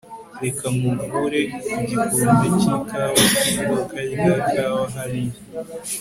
reka nkuvure ku gikombe cy'ikawa ku iduka rya kawa hariya